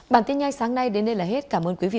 bản tin nhanh sáng nay đến đây là hết cảm ơn quý vị